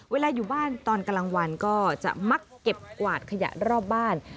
อยู่บ้านตอนกลางวันก็จะมักเก็บกวาดขยะรอบบ้าน